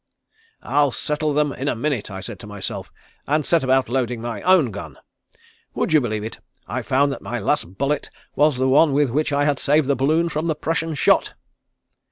"'I'll settle them in a minute,' I said to myself, and set about loading my own gun. Would you believe it, I found that my last bullet was the one with which I had saved the balloon from the Prussian shot?"